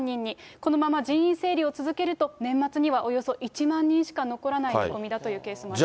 このまま人員整理を続けると年末にはおよそ１万人しか残らない見込みだというケースもあります。